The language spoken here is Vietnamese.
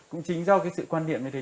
cũng chính do cái sự quan điểm như thế